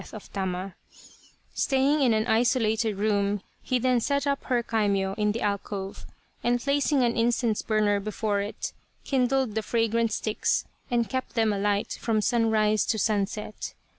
no $% i The Reincarnation of Tama Staying in an isolated room he then set up her kaimyo in the alcove, and placing an incense burner before it, kindled the fragrant sticks and kept them alight from sunrise to sunset.